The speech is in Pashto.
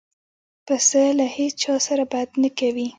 پسه له هیڅ چا سره بد نه کوي.